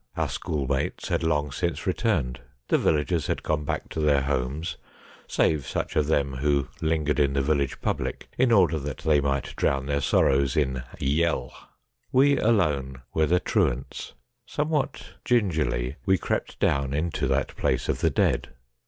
Our schoolmates had long since returned, the villagers had gone back to their homes, save such of them who lingered in the village public, in order that they might drown their sorrow in ' yel.' We alone were the truants. Somewhat gingerly we crept down into that place of the dead.